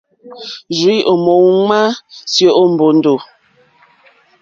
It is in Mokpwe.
Rzìi a mò uŋmà syo o mbòndò.